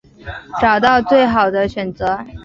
找到最好的选择